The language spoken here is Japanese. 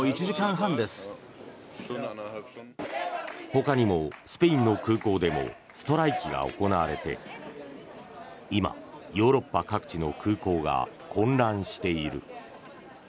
ほかにもスペインの空港でもストライキが行われて今、ヨーロッパ各地の空港が混乱している。